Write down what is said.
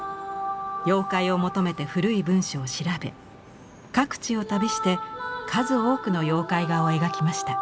妖怪を求めて古い文書を調べ各地を旅して数多くの妖怪画を描きました。